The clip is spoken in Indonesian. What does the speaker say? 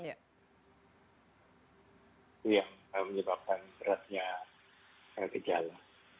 itu yang menyebabkan beratnya gejala